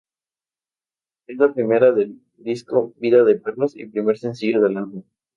Es la primera del disco "Vida de perros" y primer sencillo del álbum.